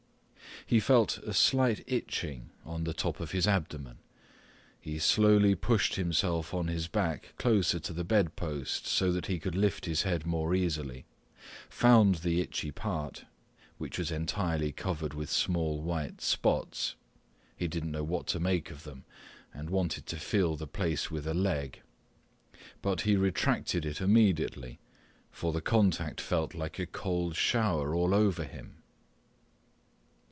He felt a slight itching on the top of his abdomen. He slowly pushed himself on his back closer to the bed post so that he could lift his head more easily, found the itchy part, which was entirely covered with small white spots—he did not know what to make of them and wanted to feel the place with a leg. But he retracted it immediately, for the contact felt like a cold shower all over him.